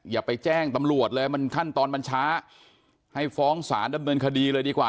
อย่าไปแจ้งตำรวจเลยมันขั้นตอนมันช้าให้ฟ้องศาลดำเนินคดีเลยดีกว่า